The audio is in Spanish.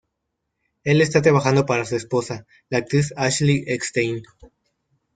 Él está trabajando para su esposa, la actriz Ashley Eckstein.